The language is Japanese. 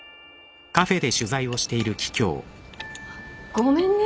ごめんね。